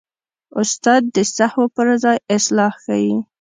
استاد د سهوو پر ځای اصلاح ښيي.